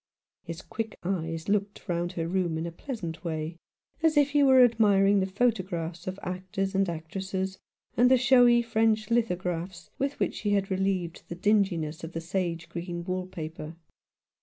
His quick eyes looked round her room in a pleasant way, as if he were admiring the photo graphs of actors and actresses, and the showy French lithographs with which she had relieved the dinginess of the sage green wall paper.